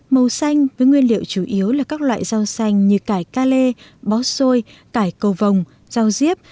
màu xanh với nguyên liệu chủ yếu là các loại rau xanh như cải ca lê bó xôi cải cầu vòng rau diếp